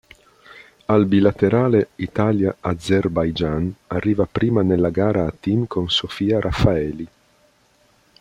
Al bilaterale Italia-Azerbaigian arriva pima nella gara a team con Sofia Raffaeli.